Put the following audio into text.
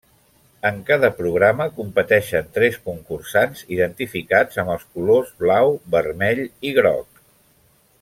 En cada programa competeixen tres concursants identificats amb els colors blau, vermell i groc.